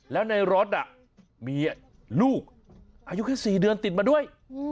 แล้วในรถมีลูกอายุแค่๔เดือนติดมาด้วย